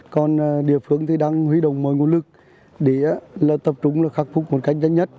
còn địa phương thì đang huy động mọi nguồn lực để tập trung là khắc phục một cách nhanh nhất